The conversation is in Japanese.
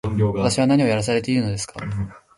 私は何をやらされているのですか